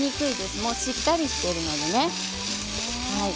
もうしっかりしているのでね。